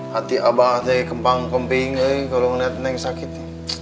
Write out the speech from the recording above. hati abah ya kempang kemping ya kalau ngeliat nenek sakit